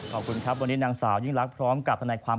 ขอบคุณครับวันนี้นางสาวยิ่งรักพร้อมกับทนายความ